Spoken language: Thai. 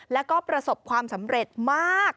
แล้วก็ประสบความสำเร็จมาก